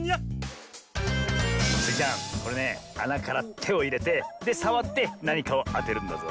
これねあなからてをいれてでさわってなにかをあてるんだぞ。